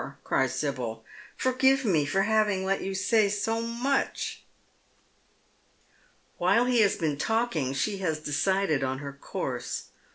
cries Sibyl, " Forgive me for having let you say so much." While he has been talking she has decided on her course.